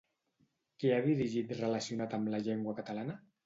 Què ha dirigit relacionat amb la llengua catalana?